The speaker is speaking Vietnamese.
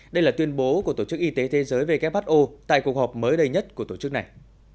đây là tuyên bố của tổ chức y tế thế giới who tại cuộc họp mới đây nhất của tổ chức này